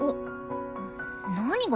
何が？